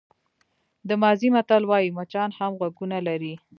د مازی متل وایي مچان هم غوږونه لري.